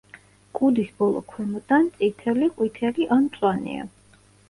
კუდის ბოლო ქვემოდან წითელი, ყვითელი ან მწვანეა.